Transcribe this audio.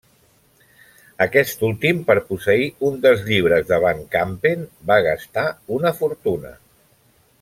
Aquest últim per posseir un dels llibres de van Campen, va gastar una fortuna.